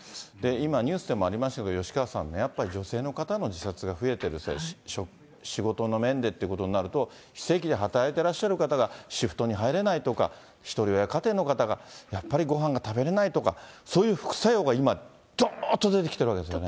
今、ニュースでもありましたけれども、吉川さんね、女性の方の自殺が増えて、仕事の面でっていうことになると、非正規で働いていらっしゃる方がシフトに入れないとか、ひとり親家庭の方が、やっぱりごはんが食べれないとか、そういう副作用が今、どーっと出てきているわけですよね。